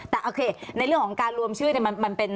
แต่โอเคในเรื่องของการรวมชื่อมันเป็น